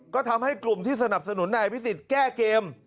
ก็ทำให้กลุ่มที่สนับสนุนนายอภิษฎแก้เกม